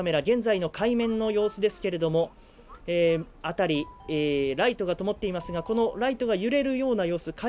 現在の海面の様子ですけれども辺りライトがともっていますがこのライトが揺れるような様子